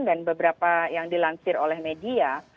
dan beberapa yang dilansir oleh media